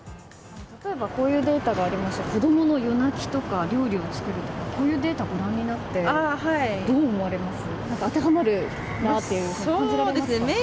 例えばこういうデータがありまして子供の夜泣きとか料理を作るとかこういうデータご覧になってどう思われます？